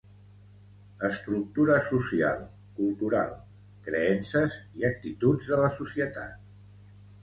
Estructura social, cultural, creences i actituds de la societat.